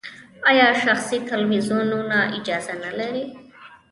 آیا شخصي تلویزیونونه اجازه نلري؟